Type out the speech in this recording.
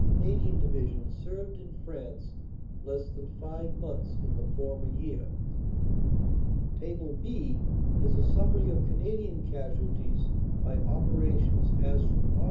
Canadian Division served in France less than five months in the former year; "B" is a summary of Canadian casualties by operations as from Aug.